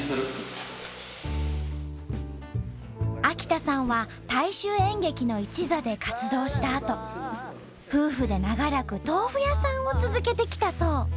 秋田さんは大衆演劇の一座で活動したあと夫婦で長らく豆腐屋さんを続けてきたそう。